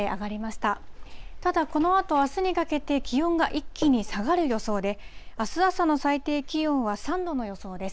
ただこのあと、あすにかけて気温が一気に下がる予想で、あす朝の最低気温は３度の予想です。